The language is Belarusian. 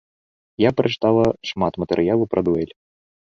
Я прачытала шмат матэрыялу пра дуэль.